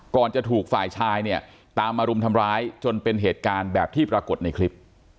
จะถูกฝ่ายชายเนี่ยตามมารุมทำร้ายจนเป็นเหตุการณ์แบบที่ปรากฏในคลิป